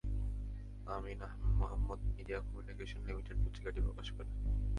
আমিন Mohammad media communication limited পত্রিকাটি প্রকাশ করে।